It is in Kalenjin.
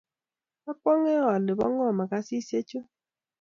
akwonge ale bo ngo makasisiek chu.